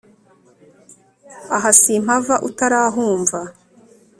aha simpava utarahumva